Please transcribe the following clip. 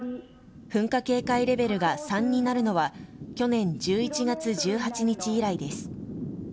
噴火警戒レベルが３になるのは去年１１月１８日以来です。